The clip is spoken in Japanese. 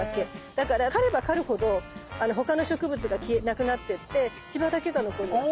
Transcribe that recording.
だから刈れば刈るほど他の植物がなくなってってシバだけが残るわけ。